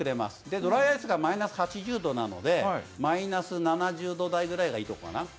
ドライアイスがマイナス８０度なので、マイナス７０度台ぐらいがいいところかな。